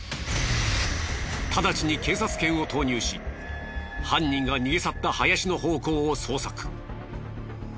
ただちに警察犬を投入し犯人が逃げ去った林の方向を捜索。